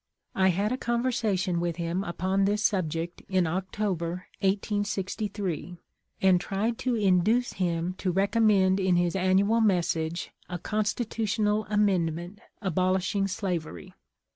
I had a conversation with him upon this subject in October, 1S63. and tried to induce him to recommend in his annual message a constitutional amendment abolishing slaver}